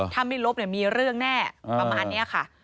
ถ้าไม่ลบเนี่ยมีเรื่องแน่ประมาณเนี่ยค่ะ